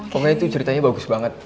pokoknya itu ceritanya bagus banget